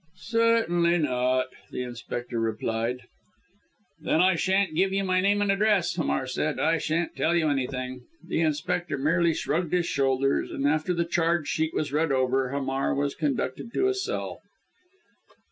"Certainly not," the inspector replied. "Then I shan't give you my name and address," Hamar said. "I shan't tell you anything." The inspector merely shrugged his shoulders, and after the charge sheet was read over, Hamar was conducted to a cell.